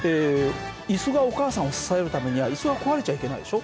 イスがお母さんを支えるためにはイスは壊れちゃいけないでしょ。